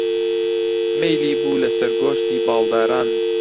مەیلی بوو لەسەر گۆشتی باڵداران